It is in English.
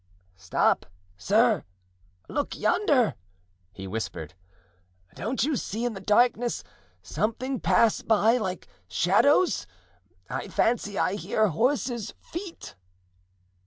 "Stop, sir, look yonder," he whispered; "don't you see in the darkness something pass by, like shadows? I fancy I hear horses' feet."